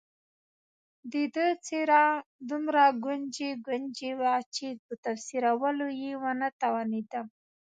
د ده څېره دومره ګونجي ګونجي وه چې په تفسیرولو یې ونه توانېدم.